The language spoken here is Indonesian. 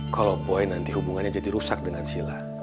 kalau poin nanti hubungannya jadi rusak dengan sila